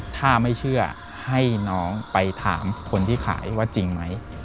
ถ้าไม่เชื่อให้น้องไปถามคนที่ขายว่าจริงไหม